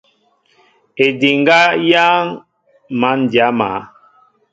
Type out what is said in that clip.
Ediŋga yááŋ măn dya maá.